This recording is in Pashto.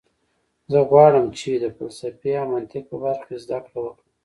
زه غواړم چې د فلسفې او منطق په برخه کې زده کړه وکړم